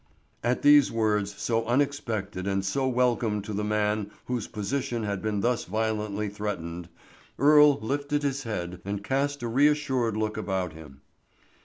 At these words, so unexpected and so welcome to the man whose position had been thus violently threatened, Earle lifted his head and cast a reassured look about him.